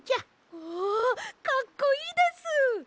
わあかっこいいです。